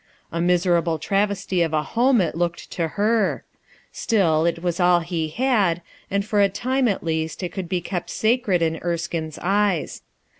A miserable travesty of a home it looked to her; still, it was all he had, and for a time at least it could be kept sacred in Erskine's eyes.